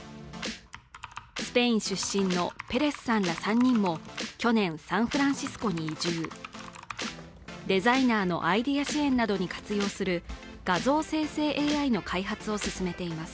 スペイン出身のペレスさんら３人も去年サンフランシスコに移住デザイナーのアイディア支援などに活用する画像生成ＡＩの開発を進めています。